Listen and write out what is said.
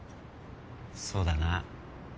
そうだな。